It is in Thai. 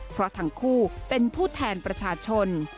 เพราะทั้งคู่เป็นผู้แทนประชาชน